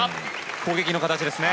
攻撃の形ですね。